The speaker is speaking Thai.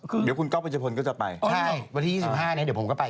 เดี๋ยวคุณก๊อปัญชพลก็จะไปใช่วันที่๒๕เนี่ยเดี๋ยวผมก็ไป